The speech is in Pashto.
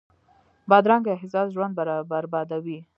بدرنګه احساس ژوند بربادوي